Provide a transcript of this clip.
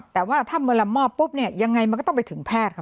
แต่ว่าถ้าเมื่อละมอบปุ๊บเนี่ยยังไงมันก็ต้องไปถึงแพทย์ค่ะ